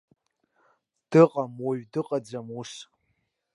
Дыҟам, уаҩ дыҟаӡам ус.